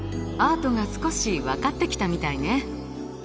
アートが少し分かってきたみたいね。